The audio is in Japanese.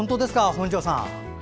本庄さん。